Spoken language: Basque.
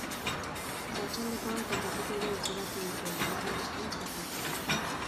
Arratsaldekoan kontatuko du aukeratu dituen hamar abestien zergatia.